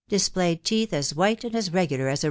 r displayed teeth asi white. and. as regular, as a.